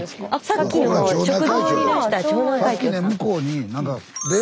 さっきの食堂にいらした町内会長さん。